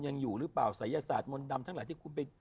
ยังอยู่หรือเปล่าศัยศาสตร์มนต์ดำทั้งหลายที่คุณไป